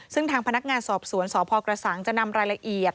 ซึ่งทางพนักงานสอบสวนสพกระสังจะนำรายละเอียด